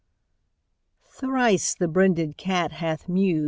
Thrice the brinded cat hath mew'd.